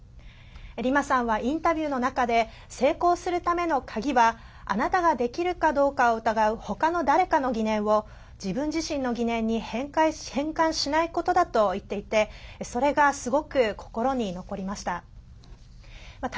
リマさんはインタビューの中で成功するための鍵はあなたができるかどうかを疑う他の誰かの疑念を自分自身の疑念に変換しないことだと言っていてそれが、すごく心に残りました。